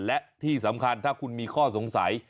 และที่สำคัญถ้าคุณมีข้อสงสัย